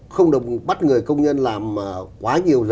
không được bắt người công nhân làm quá nhiều giờ